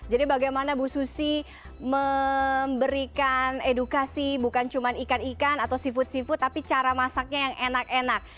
jadi bagaimana bu susi memberikan edukasi bukan cuma ikan ikan atau seafood seafood tapi cara masaknya yang enak enak